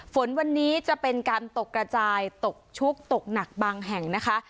ฝนวันนี้จะเป็นการตกกระจายตกชุกตกหนักบางแห่งนะคะ